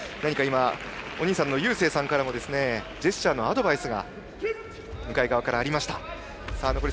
お兄さんの優成さんからもジェスチャーのアドバイスが向かい側からありました。